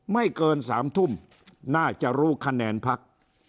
ไม่เกิน๓ทุ่มน่าจะรู้คะแนนพัก